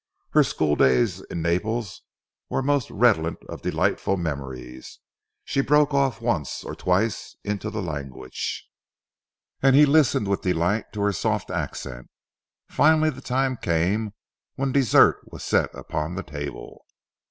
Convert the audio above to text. Her school days in Naples were most redolent of delightful memories. She broke off once or twice into the language, and he listened with delight to her soft accent. Finally the time came when dessert was set upon the table.